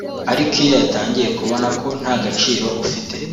ariko iyo yatangiye kubona ko nta gaciro ufite